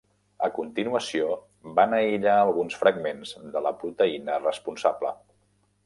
A continuació, van aïllar alguns fragments de la proteïna responsable.